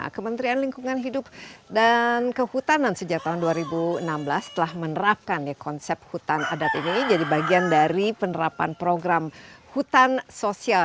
kementerian lingkungan hidup dan kehutanan sejak tahun dua ribu enam belas telah menerapkan konsep hutan adat ini jadi bagian dari penerapan program hutan sosial